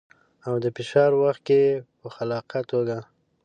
او د فشار وخت کې په خلاقه توګه.